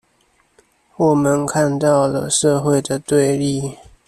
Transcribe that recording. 我們看到了社會的對立